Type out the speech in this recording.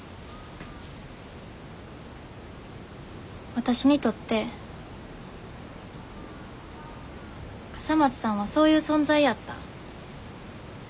わたしにとって笠松さんはそういう存在やった。